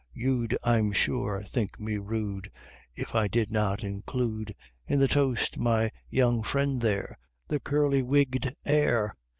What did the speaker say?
You'd, I'm sure, think me rude If I did not include, In the toast my young friend there, the curly wigged Heir!